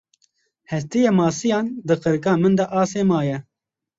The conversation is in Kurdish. Hestiyê masiyan di qirika min de asê maye.